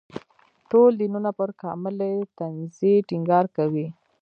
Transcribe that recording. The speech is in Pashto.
ټول دینونه پر کاملې تنزیې ټینګار کوي.